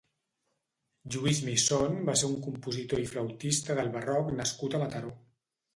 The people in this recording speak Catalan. Lluís Misón va ser un compositor i flautista del Barroc nascut a Mataró.